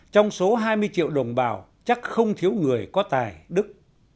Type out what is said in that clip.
trong số hai mươi triệu đồng bào chắc không thiếu người có tài đức